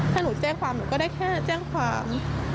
ถ้าหนูแจ้งความหนูก็ได้แค่แจ้งความ